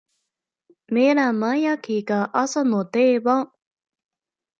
目玉焼きが朝の定番